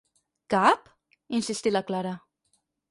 Cap? —insistí la Clara.